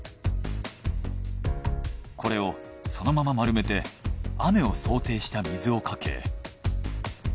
これをそのまま丸めて雨を想定した水をかけ。